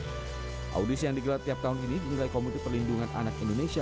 maka audisi yang digelar tiap tahun ini dinilai komisi pelindungan anak indonesia